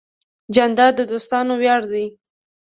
جانداد د دوستانو ویاړ دی.